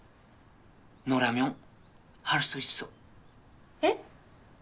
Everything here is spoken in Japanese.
ノラミョンハルスイッソ！え？